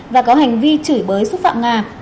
và có hành vi chửi bới xúc phạm ngà